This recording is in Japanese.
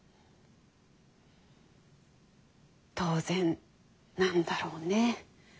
当然なんだろうね。